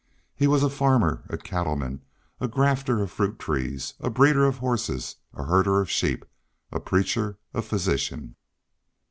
He was a farmer, a cattle man, a grafter of fruit trees, a breeder of horses, a herder of sheep, a preacher, a physician.